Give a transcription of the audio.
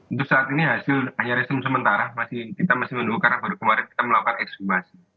untuk saat ini hasil hanya resum sementara kita masih menunggu karena baru kemarin kita melakukan ekshumasi